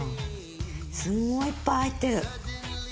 すごいいっぱい入ってる！